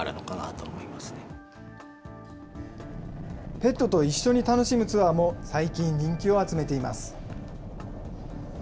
ペットと一緒に楽しむツアーも最近人気を集めています。